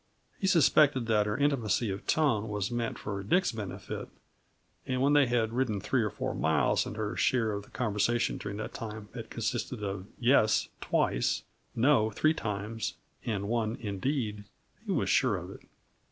He suspected that her intimacy of tone was meant for Dick's benefit; and when they had ridden three or four miles and her share of the conversation during that time had consisted of "yes" twice, "no" three times, and one "indeed," he was sure of it.